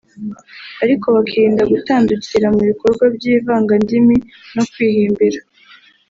ariko bakirinda gutandukira mu bikorwa by’ivangandimi no kwihimbira